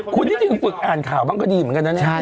คุณนิดนึงฝึกอ่านข่าวบ้างก็ดีเหมือนกันนะเนี่ย